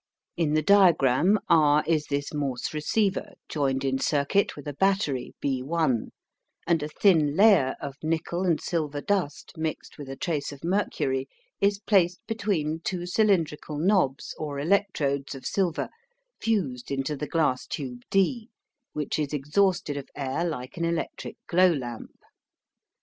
In the diagram R is this Morse "Receiver" joined in circuit with a battery B1; and a thin layer of nickel and silver dust, mixed with a trace of mercury, is placed between two cylindrical knobs or "electrodes" of silver fused into the glass tube d, which is exhausted of air like an electric glow lamp.